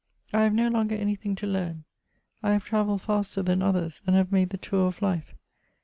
I have no longer any thing to learn ; I have travelled faster than others, and have made the tour of life.